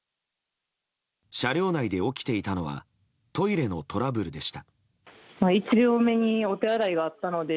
車両内で起きていたのはトイレのトラブルでした。